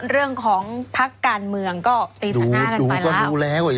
เรื่องของพักการเมืองก็ตีสักหน้าไปแล้วดูดูก็ดูแล้วเว้ย